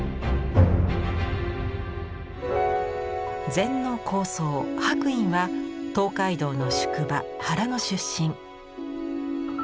禅の高僧白隠は東海道の宿場原の出身。